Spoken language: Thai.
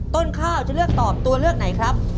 ต้นข้าวจะเลือกตอบตัวเลือกไหนครับ